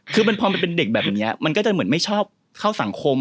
คือพอมันเป็นเด็กแบบนี้มันก็จะเหมือนไม่ชอบเข้าสังคม